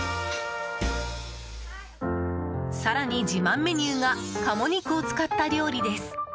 更に自慢メニューが鴨肉を使った料理です。